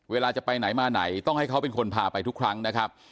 เวลาจะไปไหนมาไหนต้องให้เขาเป็นคนพาไปทุกครั้งนะครับ